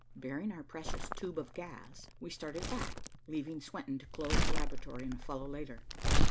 Bearing our precious tube of gas, we started back, leaving Swenton to close the laboratory and follow later.